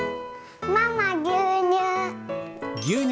ママ、牛乳。